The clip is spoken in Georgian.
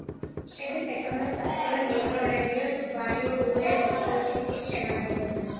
შედის ეკონომიკურ-სტატისტიკურ მიკრორეგიონ ვალი-დუ-იპოჟუკის შემადგენლობაში.